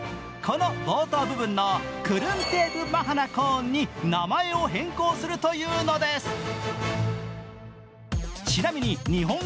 この冒頭部分のクルンテープマハナコーンに名前を変更するというのです。